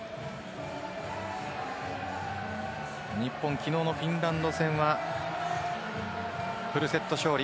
日本、昨日のフィンランド戦はフルセット勝利。